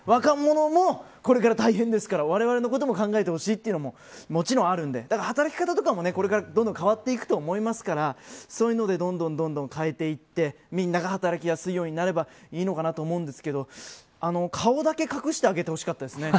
若者も、これから大変ですからわれわれのことも考えてほしいというのももちろんあるんで働き方とかも、これからどんどん変わっていくと思いますからそういうので、どんどんどんどん変えていってみんなが働きやすいようになればいいのかなと思います。